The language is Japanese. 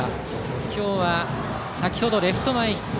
今日は先程、レフト前ヒット。